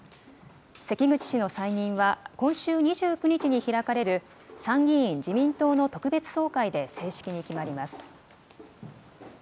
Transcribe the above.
関口氏の再任は、今週２９日に開かれる参議院自民党の特別総会で正式に決まります。